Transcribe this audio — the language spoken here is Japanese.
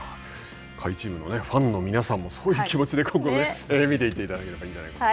下位チームのファンの皆さんも、そういう気持ちで今後見ていっていただければと思います。